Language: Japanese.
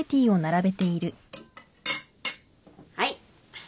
はい。